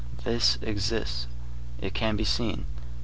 This exists. It can be seen.